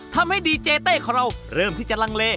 ทำให้ดีเจเต้ของเราเริ่มที่จะลังเล